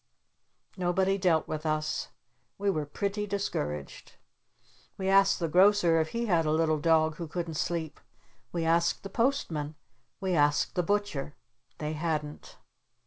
Nobody dealt with us. We were pretty discouraged. We asked the Grocer if he had a little dog who couldn't sleep. We asked the Postman. We asked the Butcher. They hadn't.